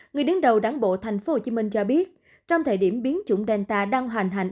người đứng đầu đáng bộ tp hcm cho biết trong thời điểm biến chủng delta đang hoàn hành